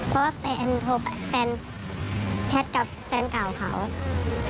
เพราะว่าแฟนโทรไปแฟนแชทกับแฟนเก่าเขาอืม